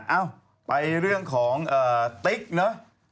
เอ้าไปเรื่องของติ๊กเนอะ